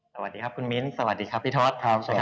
สวัสดีครับคุณมิ้นสสวัสดีครับพี่ทศ